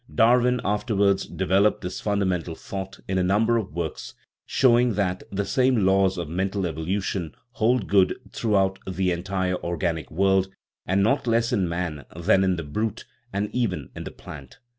Darwin afterwards developed this fundamental thought in a number of works, showing that the same laws of "mental evolution" hold good throughout the entire organic world, not less in man than in the brute, and even in the plant.